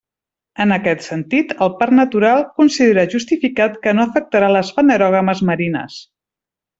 En aquest sentit, el Parc Natural considera justificat que no afectarà les fanerògames marines.